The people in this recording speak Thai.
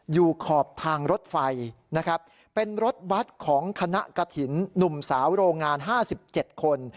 อยู่ขอบทางรถไฟนะครับเป็นรถบัตรของคณะกะถิ่นนุ่มสาวโรงงานห้าสิบเจ็ดคน